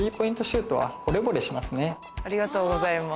ありがとうございます。